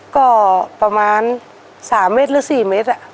ก็ประมาณ๓เมตรหรือ๔เมตร